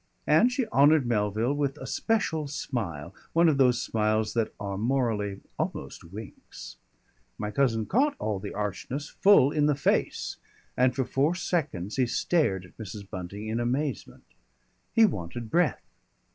And she honoured Melville with a special smile one of those smiles that are morally almost winks. [Illustration: The waiter retires amazed.] My cousin caught all the archness full in the face, and for four seconds he stared at Mrs. Bunting in amazement. He wanted breath.